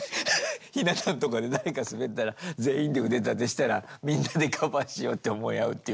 ひな壇とかで誰かスベったら全員で腕立てしたらみんなでカバーしようって思い合うっていうかさ。